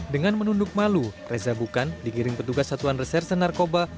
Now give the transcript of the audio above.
dengan menunduk malu reza bukan digiring petugas satuan reserse narkoba